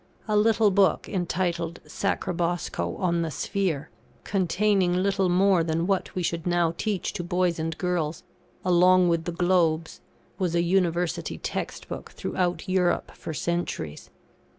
A little book, entitled "Sacrobosco on the Sphere," containing little more than what we should now teach to boys and girls, along with the Globes, was a University text book throughout Europe for centuries.